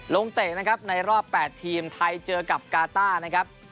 เตะนะครับในรอบ๘ทีมไทยเจอกับกาต้านะครับ